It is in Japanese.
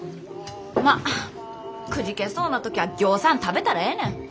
まあくじけそうな時はぎょうさん食べたらええねん。